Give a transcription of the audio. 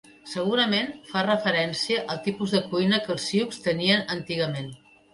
Segurament, fa referència al tipus de cuina que els Sioux tenien antigament.